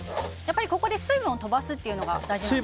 ここで水分を飛ばすというのが大事なんですか？